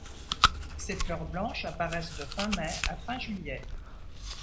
Ses fleurs blanches apparaissent de fin mai à fin juillet.